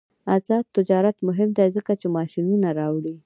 آزاد تجارت مهم دی ځکه چې ماشینونه راوړي.